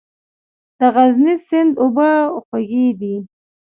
د غزني سیند اوبه خوږې دي؟